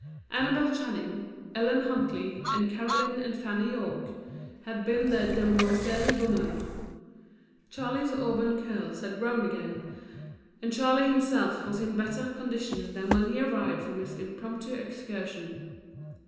Annabel Channing, Ellen Huntley, and Caroline and Fanny Yorke, had been the demoiselles d'honneur. Charley's auburn curls had grown again, and Charley himself was in better condition than when he arrived from his impromptu excursion.